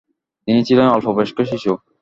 তিনি ছিলেন অল্প বয়স্ক শিশু।